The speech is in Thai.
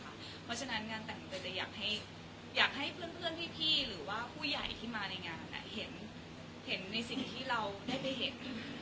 เพราะฉะนั้นงานแต่งเตยจะอยากให้เพื่อนพี่หรือว่าผู้ใหญ่ที่มาในงานเห็นในสิ่งที่เราได้ไปเห็น